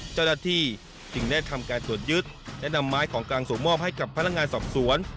เจ้าหน้าที่จึงได้ทำการตรวจยึดและนำไม้ของกลางส่งมอบให้กับพนักงานสอบสวน